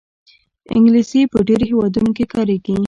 انګلیسي په ډېرو هېوادونو کې کارېږي